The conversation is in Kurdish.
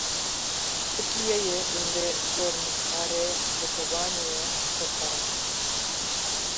Tirkiyeyê gundê Zor Mixarê li Kobaniyê topbaran kir.